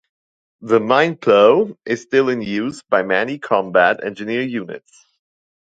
The mine plow is still in use by many Combat Engineer units.